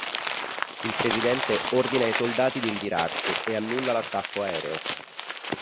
Il presidente ordina ai soldati di ritirarsi e annulla l'attacco aereo.